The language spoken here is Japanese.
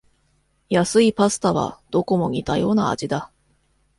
安いパスタはどこも似たような味だ